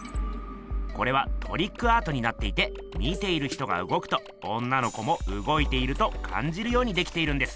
これはトリックアートになっていて見ている人がうごくと女の子もうごいているとかんじるようにできているんです。